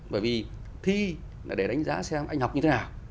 bởi vì thi là để đánh giá xem anh học như thế nào